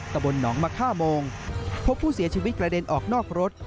ตะบนหนองมะค่าโมงพบผู้เสียชีวิตกระเด็นออกนอกรถ